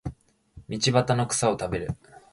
道端の草を食べる